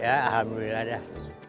ya alhamdulillah dah